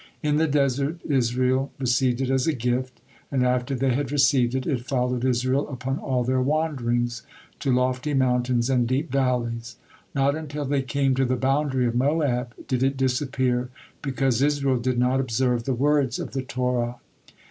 In the desert Israel received it as a gift, and after they had received it, it followed Israel upon all their wanderings, to lofty mountains and deep valleys. Not until they came to the boundary of Moab did it disappear, because Israel did not observe the words of the Torah."